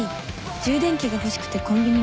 充電器が欲しくてコンビニに。